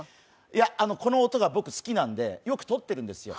いや、この音が僕好きなんでよくとってるんですよ。